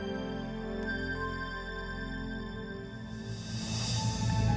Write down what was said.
ya allah putri harus gimana ini